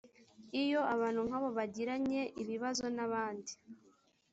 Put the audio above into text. iyo abantu nk abo bagiranye ibibazo n abandi